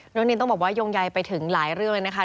นินต้องบอกว่าโยงใยไปถึงหลายเรื่องเลยนะคะ